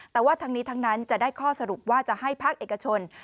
แต่ว่าทั้งนี้ทั้งนั้นจะได้ข้อสรุปว่าจะให้ภาคเอกชน